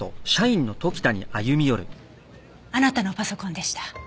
あなたのパソコンでした。